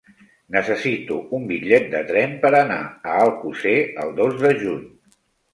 Necessito un bitllet de tren per anar a Alcosser el dos de juny.